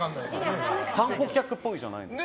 観光客っぽいじゃないですか。